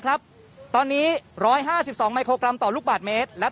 ครับตอนนี้ร้อยห้าสิบสองไมโครกรัมต่อลูกบาทเมตรและ